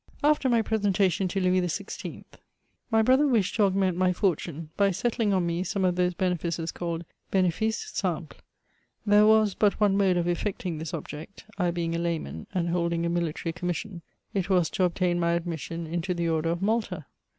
After my presentation to Louis XVI., my brother wished CHATEAUBRIAND. 43 to augment my fortuiiey by settling oh me some of those benefices called b^fices simples* There was but one mode of elFtpctmg this object, I being a layman, and holding a military commission : it was to obtain my admission into the Order of Malta.